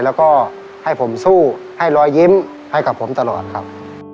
แล้วก็ให้ผมสู้ให้รอยยิ้มให้กับผมตลอดครับ